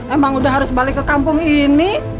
emang udah harus balik ke kampung ini